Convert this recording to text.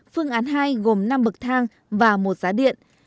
phương án hai gồm năm bậc thang và một giá điện